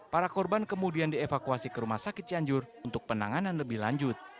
para korban kemudian dievakuasi ke rumah sakit cianjur untuk penanganan lebih lanjut